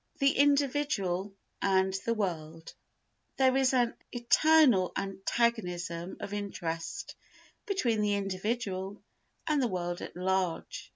The Individual and the World There is an eternal antagonism of interest between the individual and the world at large.